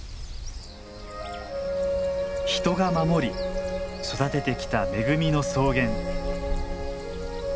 人が守り育ててきた恵みの草原。